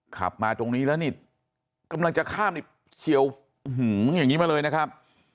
ขับมาตรงนี้แล้วนี่กำลังจะข้ามนี่เฉียวอย่างนี้มาเลยนะครับ